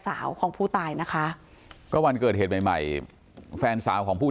สาวของผู้ตายนะคะก็วันเกิดเหตุใหม่ใหม่แฟนสาวของผู้